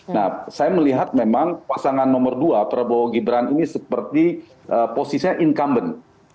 nah saya melihat memang pasangan nomor dua prabowo gibran ini seperti posisinya incumbent